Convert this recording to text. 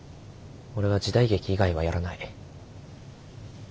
俺は時代劇以外はやらない。